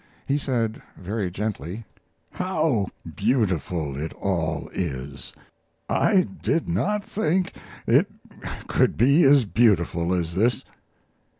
He said, very gently: "How beautiful it all is? I did not think it could be as beautiful as this."